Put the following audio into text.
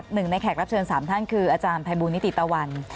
หนึ่งในแขกรับเชิญ๓ท่านคืออาจารย์ภัยบูลนิติตะวัน